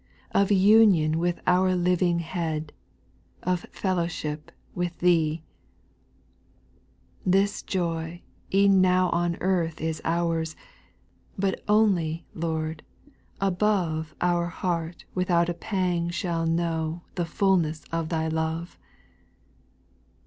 Of union with our living Head, Of fellowship with Thee ? 7. This joy e'en now on earth is our's, But only. Lord, above Our heart without a pang shall know The fulness of Thy love.